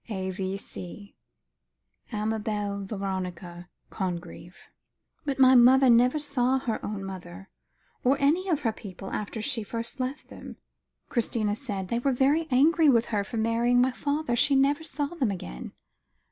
A.V.C. Amabel Veronica Congreve." "But my mother never saw her own mother, or any of her people, after she first left them," Christina said. "They were angry with her for marrying my father. She never saw them again."